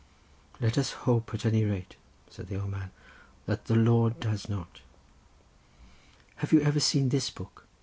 "Let us hope at any rate," said the old gentleman, "that the Lord does not." "Have you ever seen this book?"